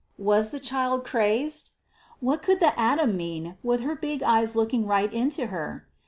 Was the child crazed? What could the atom mean, with her big eyes looking right into her?